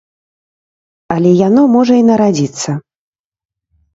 Але яно можа і нарадзіцца.